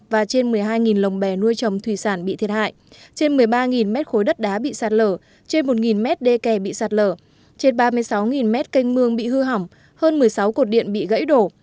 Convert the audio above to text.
và trên một mươi hai lồng bè nuôi trồng thủy sản bị thiệt hại trên một mươi ba mét khối đất đá bị sạt lở trên một mét đê kè bị sạt lở trên ba mươi sáu mét canh mương bị hư hỏng hơn một mươi sáu cột điện bị gãy đổ